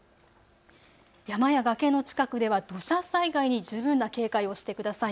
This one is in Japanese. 山や崖の近くでは土砂災害に十分な警戒をしてください。